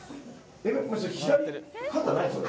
左肩何それ？